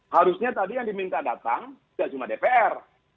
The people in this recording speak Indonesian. harusnya tadi yang diminta datang tidak cuma dpr